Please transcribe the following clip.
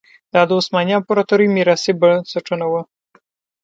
دا د عثماني امپراتورۍ میراثي بنسټونه وو.